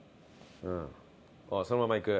ああそのままいく。